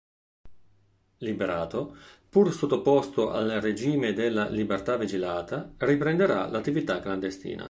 Liberato, pur sottoposto al regime della libertà vigilata riprenderà l'attività clandestina.